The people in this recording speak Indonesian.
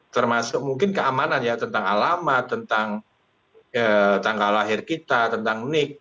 termasuk mungkin keamanan ya tentang alamat tentang tanggal lahir kita tentang nik